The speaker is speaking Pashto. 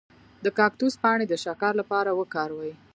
د کاکتوس پاڼې د شکر لپاره وکاروئ